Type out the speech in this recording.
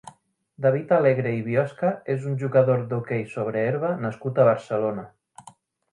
David Alegre i Biosca és un jugador d'hoquei sobre herba nascut a Barcelona.